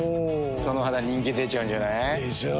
その肌人気出ちゃうんじゃない？でしょう。